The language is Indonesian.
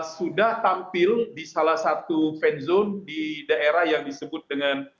sudah tampil di salah satu fan zone di daerah yang disebut dengan